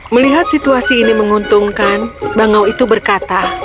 melihat situasi ini menguntungkan bangau itu berkata